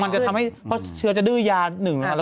จะทำให้เพราะเชื้อจะดื้อยาหนึ่ง